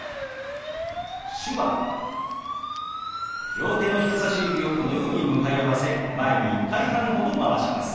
両手の人さし指をこのように向かい合わせ前に１回半ほど回します。